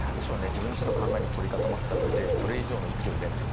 自分自身の考えに凝り固まった上でそれ以上の域を出ない。